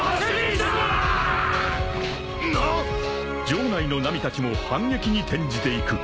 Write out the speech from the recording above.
［城内のナミたちも反撃に転じていく］